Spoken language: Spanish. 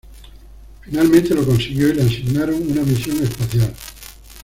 Finalmente lo consiguió y le asignaron una misión espacial.